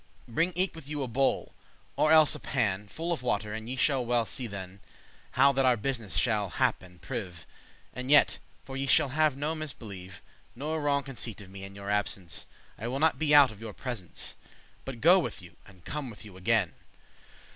Bring eke with you a bowl, or else a pan, Full of water, and ye shall well see than* *then How that our business shall *hap and preve* *succeed* And yet, for ye shall have no misbelieve* *mistrust Nor wrong conceit of me, in your absence, I wille not be out of your presence, But go with you, and come with you again."